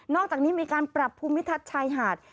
อกจากนี้มีการปรับภูมิทัศน์ชายหาด